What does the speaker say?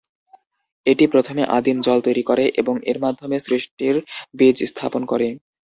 এটি প্রথমে আদিম জল তৈরি করে এবং এর মধ্যে সৃষ্টির বীজ স্থাপন করে।